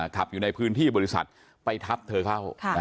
ขับอยู่ในพื้นที่บริษัทไปทับเธอเข้า